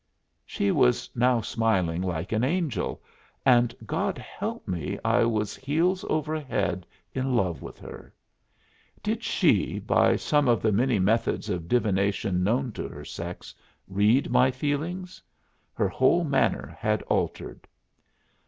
She was now smiling like an angel and, God help me! I was heels over head in love with her! Did she, by some of the many methods of divination known to her sex, read my feelings? Her whole manner had altered.